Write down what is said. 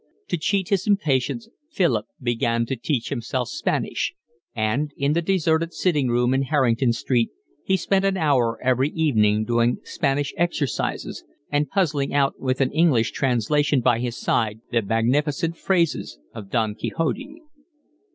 To cheat his impatience Philip began to teach himself Spanish, and in the deserted sitting room in Harrington Street he spent an hour every evening doing Spanish exercises and puzzling out with an English translation by his side the magnificent phrases of Don Quixote.